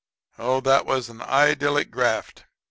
Oh, that was an idyllic graft!